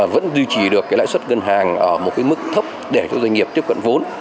vẫn duy trì được cái lãi suất ngân hàng ở một mức thấp để các doanh nghiệp tiếp cận vốn